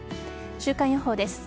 週間予報です。